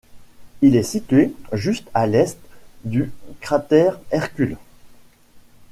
Il est situé juste à l'est du cratère Hercules.